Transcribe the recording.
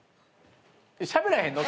しゃべらへんの？